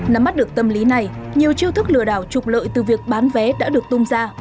nắm mắt được tâm lý này nhiều chiêu thức lừa đảo trục lợi từ việc bán vé đã được tung ra